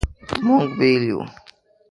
مونږ بیل یو